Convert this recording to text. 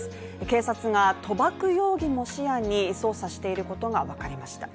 警察が賭博容疑も視野に捜査していることがわかりました。